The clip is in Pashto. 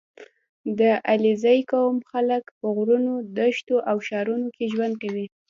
• د علیزي قوم خلک په غرونو، دښتو او ښارونو کې ژوند کوي.